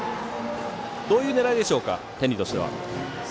どういう狙いでしょうか、天理。